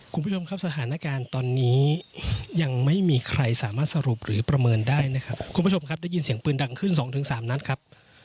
คุณผู้ชมครับสถานการณ์ตอนนี้ยังไม่มีใครสามารถสรุปหรือประเมินได้นะครับคุณผู้ชมครับได้ยินเสียงปืนดังขึ้นสองถึงสามนัดครับ